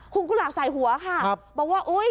คุณกุหลาบใส่หัวค่ะบอกว่าอุ๊ย